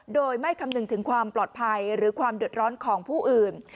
โดยไม่คำนึงถึงความปลอดภัยหรือความเดือดร้อนของผู้อื่น